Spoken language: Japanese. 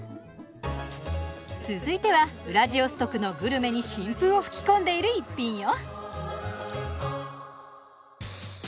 続いてはウラジオストクのグルメに新風を吹き込んでいるイッピンよ！